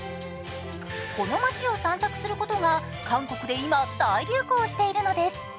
この街を散策することが韓国で今、大流行しているのです。